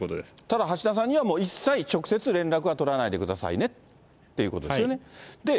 ただ橋田さんにはもう一切、直接連絡は取らないでくださいねっていうことですよね。